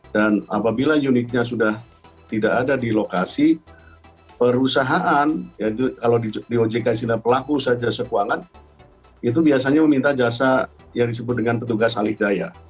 dan apabila unitnya sudah tidak ada di lokasi perusahaan kalau di ojk sina pelaku saja sekuangan itu biasanya meminta jasa yang disebut dengan petugas alih daya